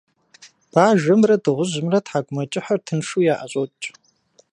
Бажэмрэ дыгъужьымрэ тхьэкIумэкIыхьыр тыншу яIэщIокI.